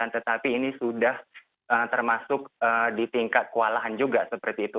tetapi ini sudah termasuk di tingkat kewalahan juga seperti itu